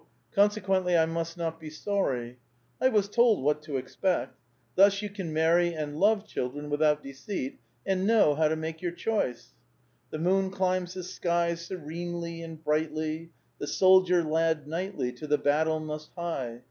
Consequently, I must not be sorry. I was told what to expect. Thus you can nian'v and love, children, without deceit, and know how to make your choice. The moon climbs the sky Serenely and brightly. The soldier lad knightly To the battle must hie.